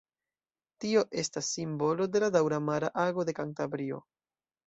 Tio estas simbolo de la daŭra mara ago de Kantabrio.